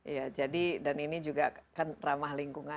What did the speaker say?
iya jadi dan ini juga kan ramah lingkungan